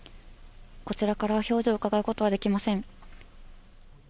こちらから表情をうかがうことはできません。